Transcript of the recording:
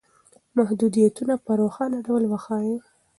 محدودیتونه په روښانه ډول وښایئ.